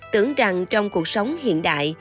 tưởng rằng trong cuộc sống hiện nay